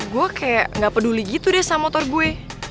gue kayak gak peduli gitu deh sama motor gue